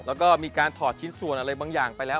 แล้วก็มีการถอดชิ้นส่วนอะไรบางอย่างไปแล้ว